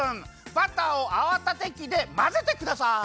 バターをあわたてきでまぜてください。